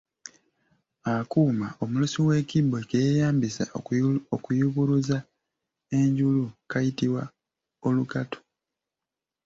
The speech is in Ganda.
Akuuma omulusi w'ekibbo ke yeeyambisa okuyubuluza enjulu kayitibwa Olukatu.